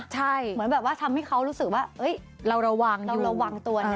ใช่เหมือนแบบว่าทำให้เขารู้สึกว่าเราระวังตัวนั้น